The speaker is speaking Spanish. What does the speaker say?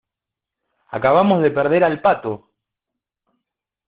acabamos de perder al pato.